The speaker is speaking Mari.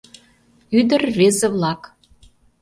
Ӱдыр-рвезе-влак